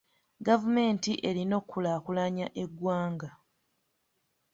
Gavumenti erina okukulaakulanya eggwanga.